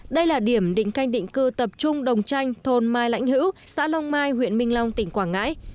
đây là điểm định canh định cư tập trung đồng tranh thôn mai lãnh hữu xã long mai huyện minh long tỉnh quảng ngãi